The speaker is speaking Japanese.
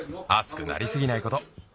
あつくなりすぎないこと。